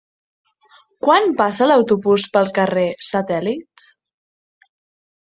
Quan passa l'autobús pel carrer Satèl·lits?